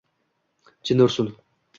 Jin ursin!